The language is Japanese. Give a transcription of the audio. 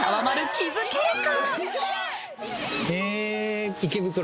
気付けるか？］